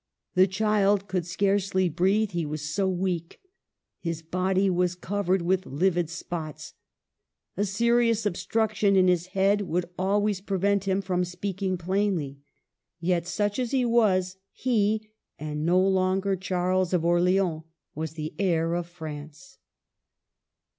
The child could scarcely breathe, he was so weak. His body was covered with livid spots. A serious obstruction in his head would always prevent him from speaking plainly. Yet, such as he was, he, and no longer Charles of Orleans, was the heir of France.